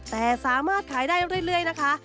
แต่สามารถขายได้เรื่อยนะคะ